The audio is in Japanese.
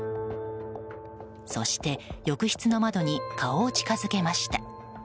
そして、浴室の窓に顔を近づけました。